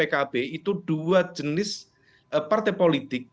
gerindra dan pkb itu dua jenis partai politik